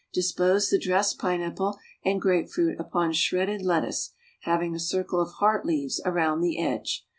Dispose the dressed pineapple and grapefruit upon shredded lettuce, having a circle of heart leaves around the edge.